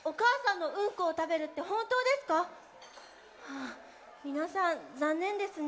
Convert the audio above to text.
あ皆さんざんねんですね。